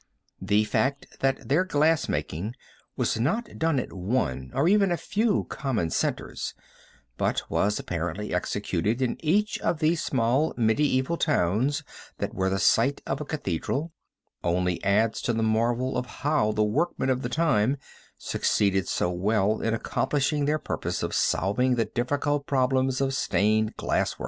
The fact that their glass making was not done at one, or even a few, common centers, but was apparently executed in each of these small medieval towns that were the site of a cathedral, only adds to the marvel of how the workmen of the time succeeded so well in accomplishing their purpose of solving the difficult problems of stained glasswork.